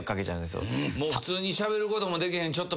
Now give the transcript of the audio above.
普通にしゃべることもできへん